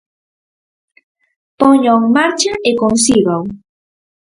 Póñao en marcha e consígao.